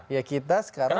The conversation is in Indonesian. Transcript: ya kita sekarang